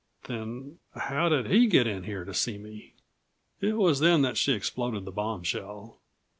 "Then how did he get in here to see me?" It was then that she exploded the bombshell.